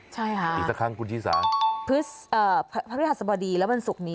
ใช่ค่ะอีกสักครั้งคุณอีสานพฤษเอ่อพระพิทธาสบดีและวันศุกร์นี้